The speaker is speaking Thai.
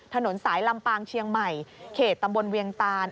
ถนนสายลำปางเชียงใหม่เขตตำบลเวียงตาน